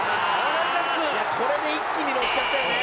「これで一気にノッちゃったよね」